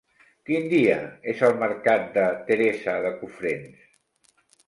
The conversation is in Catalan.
Quin dia és el mercat de Teresa de Cofrents?